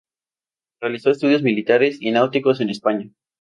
Realizó estudios militares y náuticos en España.